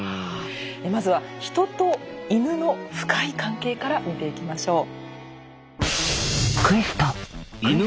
まずはヒトとイヌの深い関係から見ていきましょう。